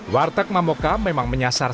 warteg mamoka memang menyasar